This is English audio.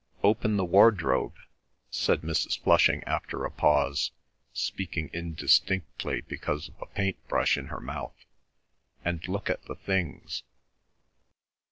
"Open the wardrobe," said Mrs. Flushing after a pause, speaking indistinctly because of a paint brush in her mouth, "and look at the things."